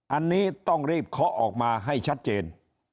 อันนี้ต้องรีบเคาะออกมาให้ชัดเจน